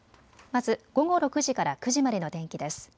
まず午後６時から９時までの天気です。